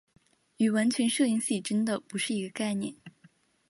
与完全摄影写真的不是一个概念。